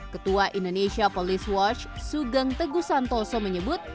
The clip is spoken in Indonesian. ketua indonesia police watch sugeng teguh santoso menyebut